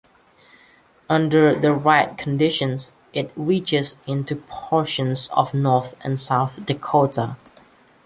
Under the right conditions, it reaches into portions of North and South Dakota.